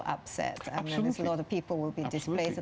dan banyak orang akan disesuaikan